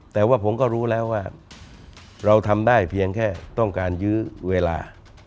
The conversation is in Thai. แต่ว่าผมก็รู้แล้วว่าเราทำได้เพียงแค่ต้องการยื้อเวลา